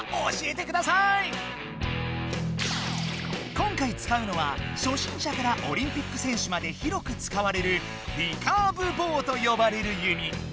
今回使うのは初心者からオリンピックせんしゅまで広く使われる「リカーブボウ」とよばれる弓。